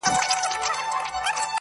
جهاني د خوب نړۍ ده پکښي ورک دی هر وګړی-